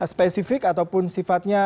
spesifik ataupun sifatnya